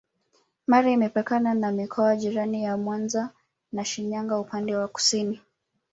Mara imepakana na mikoa jirani ya Mwanza na Shinyanga upande wa kusini